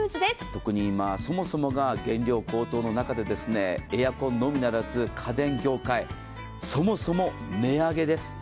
特に今、そもそも原料高騰の中でエアコンのみならず家電業界、そもそも値上げです。